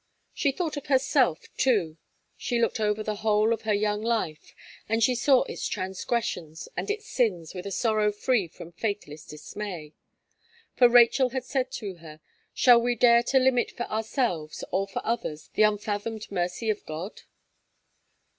She thought of herself too; she looked over the whole of her young life, and she saw its transgressions and its sins with a sorrow free from faithless dismay; for Rachel had said to her: "Shall we dare to limit for ourselves, or for others, the unfathomed mercy of God?"